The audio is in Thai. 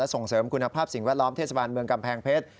ส่งเสริมคุณภาพสิ่งแวดล้อมเทศบาลเมืองกำแพงเพชร